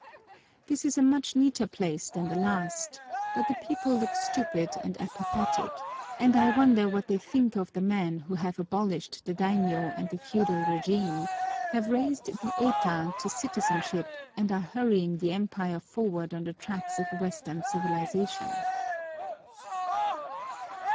This is a much neater place than the last, but the people look stupid and apathetic, and I wonder what they think of the men who have abolished the daimiyô and the feudal régime, have raised the eta to citizenship, and are hurrying the empire forward on the tracks of western civilisation!